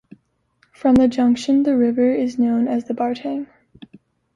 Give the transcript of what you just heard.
From the junction the river is known as the Bartang.